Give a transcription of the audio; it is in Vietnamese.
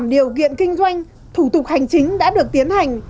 được tiến hành